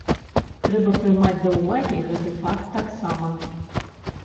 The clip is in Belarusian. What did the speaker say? Трэба прымаць да ўвагі гэты факт таксама.